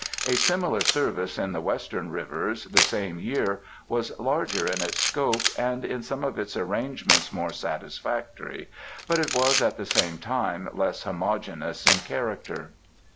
A similar service in the Western rivers the same year was larger in its scope, and in some of its arrangements more satisfactory, but it was at the same time less homogeneous in character.